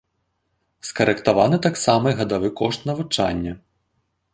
Скарэктаваны таксама і гадавы кошт навучання.